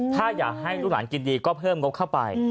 ถ้าอยากให้ลูกหลานกินดีก็เพิ่มงบเข้าไป